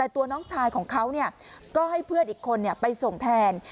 ตัวน้องชายของเขาก็ให้เพื่อนอีกคนไปส่งแทน